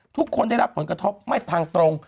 ทุกคนได้รับผลกระทบไม่ทางตรง